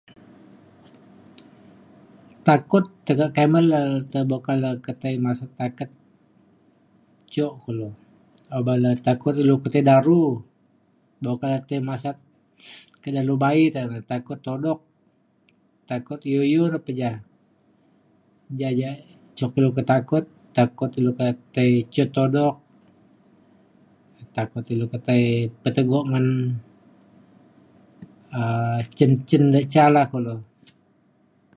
Takut tekak kimet ilu ba ketei masat taket cok kulo, uban lou takut ilu tai laru, bek ukat ake masat telalu ba'i, takut tuduk, takut yu-yu pa jah. Ja ja yak juk ilu petakut , takut tei cut tuduk , takut ilu tai petegok ngan jin jin yak ca la kulo